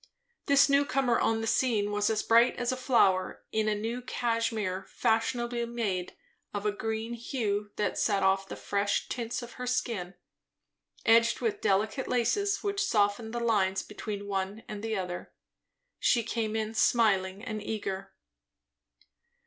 This new comer on the scene was as bright as a flower; in a new cashmere, fashionably made, of a green hue that set off the fresh tints of her skin, edged with delicate laces which softened the lines between the one and the other. She came in smiling and eager.